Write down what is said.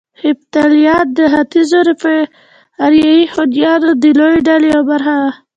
هېپتاليان د ختيځو اریایي هونيانو د لويې ډلې يوه برخه وو